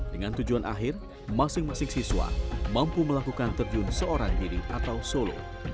dengan tujuan akhir masing masing siswa mampu melakukan terjun seorang diri atau solo